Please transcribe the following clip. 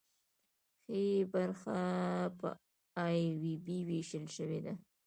ښي برخه په ای او بي ویشل شوې ده.